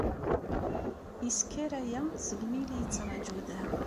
Yesker aya segmi i la yettṛaju da.